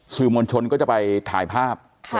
สื่อมนต์ชนก็จะไปถ่ายภาพ